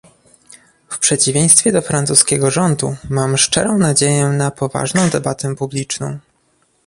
W przeciwieństwie do francuskiego rządu mam szczerą nadzieję na poważną debatę publiczną